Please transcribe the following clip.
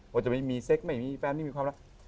ว่าจะไม่มีเซ็กไม่มีแฟนไม่มีความรัก